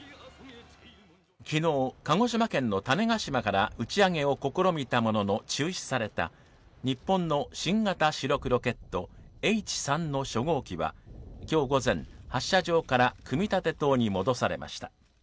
昨日、鹿児島県の種子島から打ち上げを試みたものの中止された日本の新型主力ロケットＨ３の初号機は、今日午前、発射場から組み立て棟に戻されました。